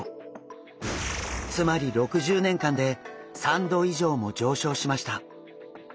つまり６０年間で３℃以上も上昇しました。